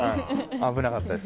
危なかったです。